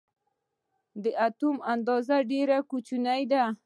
د اتوم اندازه ډېره کوچنۍ ده.